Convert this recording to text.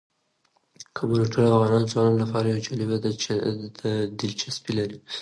قومونه د ټولو افغان ځوانانو لپاره یوه جالبه دلچسپي لري.